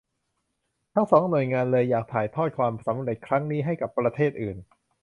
ทั้งสองหน่วยงานเลยอยากถ่ายทอดความสำเร็จครั้งนี้ให้กับประเทศอื่น